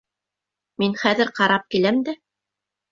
Мин хәҙер ҡарап киләм дә...